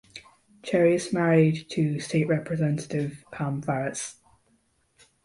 Cherry is married to State Representative Pam Faris.